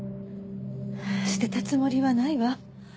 捨てたつもりはないわ。